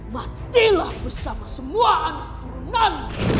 matilah bersama semua anak turunan